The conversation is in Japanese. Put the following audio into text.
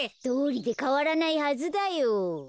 どうりでかわらないはずだよ。